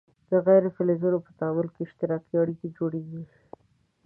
د غیر فلزونو په تعامل کې اشتراکي اړیکې جوړیږي.